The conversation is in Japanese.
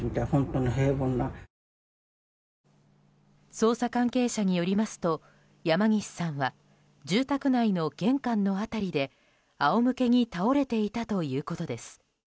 捜査関係者によりますと山岸さんは住宅内の玄関の辺りで仰向けに倒れていたということです。